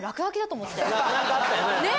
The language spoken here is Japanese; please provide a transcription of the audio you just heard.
何かあったよね。